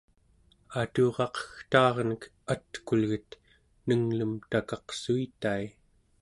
aturaqegtaarnek atkulget nenglem takaqsuitai